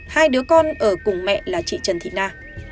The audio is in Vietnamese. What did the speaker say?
hai đứa con ở cùng mẹ là chị trần thị na